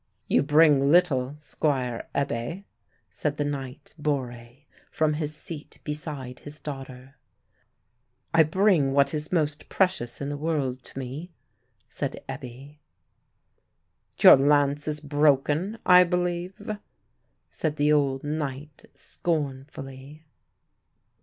"You bring little, Squire Ebbe," said the Knight Borre, from his seat beside his daughter. "I bring what is most precious in the world to me," said Ebbe. "Your lance is broken, I believe?" said the old knight scornfully.